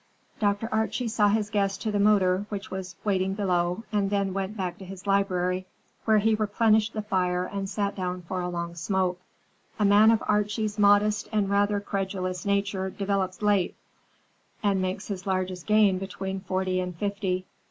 Dr. Archie saw his guest to the motor which was waiting below, and then went back to his library, where he replenished the fire and sat down for a long smoke. A man of Archie's modest and rather credulous nature develops late, and makes his largest gain between forty and fifty.